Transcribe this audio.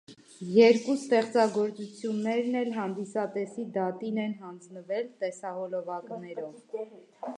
Երկու ստեղծագործություններն էլ հանդիսատեսի դատին են հանձնվել տեսահոլովակներով։